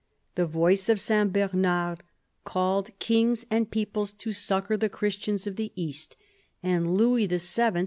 The voice of S. Bernard called kings and peoples to succour the Christians of the East, and Louis VII.